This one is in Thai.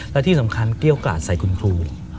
และที่สำคัญเกรี้ยวกราดใส่คุณครู